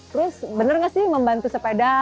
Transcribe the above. terus bener gak sih membantu sepeda